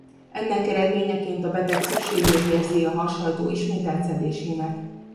Ennek eredményeként a beteg szükségét érzi a hashajtó ismételt szedésének.